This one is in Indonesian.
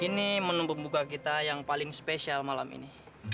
ini menu pembuka kita yang paling spesial malam ini